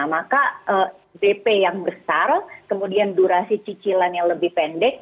maka dp yang besar kemudian durasi cicilan yang lebih pendek